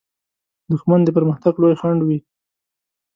دښمن د پرمختګ لوی خنډ وي